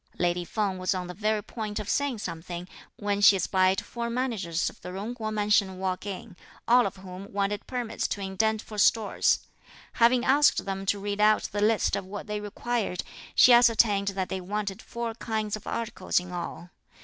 Lady Feng was on the very point of saying something, when she espied four managers of the Jung Kuo mansion walk in; all of whom wanted permits to indent for stores. Having asked them to read out the list of what they required, she ascertained that they wanted four kinds of articles in all.